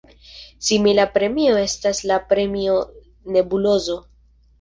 Simila premio estas la Premio Nebulozo.